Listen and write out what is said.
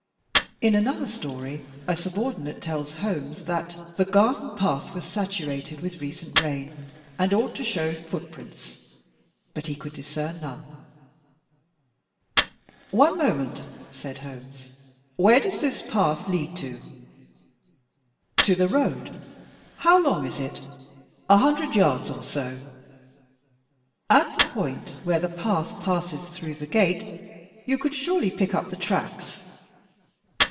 In another story, a subordinate tells Holmes that "the garden path was saturated with recent rain, and ought to show footprints," but he could discern none. "One moment," said Holmes. "Where does this path lead to?" "To the road." 184 THE TECHNIQUE OF THE MYSTERY STORY "How long is it?" *' A hundred yards or so." "At the point where the path passes through the gate, you could surely pick up the tracks?"